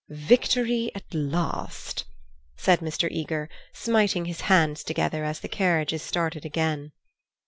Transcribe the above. "Victory at last!" said Mr. Eager, smiting his hands together as the carriages started again.